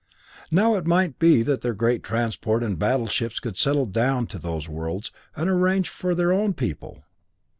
Now it might be that their great transport and battle ships could settle down to those worlds and arrange them for their own people!